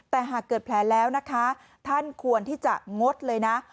แต่หากเกิดแผลแล้วนะคะท่านควรที่จะงดเลยนะ